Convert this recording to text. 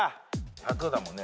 １００だもんね。